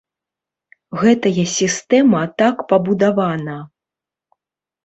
Гэтая сістэма так пабудавана.